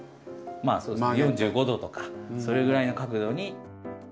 そうですね４５度とかそれぐらいの角度に。